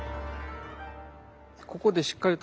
ここでしっかりと。